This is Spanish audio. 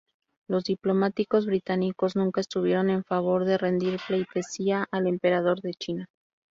Los diplomáticos británicos nunca estuvieron en favor de rendir pleitesía al Emperador de China.